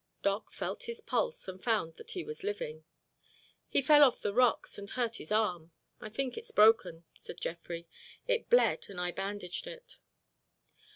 Doc felt his pulse and found that he was living. "He fell on the rocks and hurt his arm—I think it's broken," said Jeffrey. "It bled and I bandaged it."